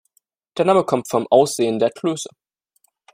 Der Name kommt vom Aussehen der Klöße.